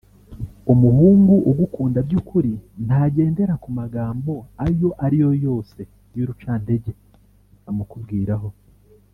Umuhungu ugukunda by’ukuri ntagendera ku magambo ayo ariyo yose y’urucantege bamukubwiraho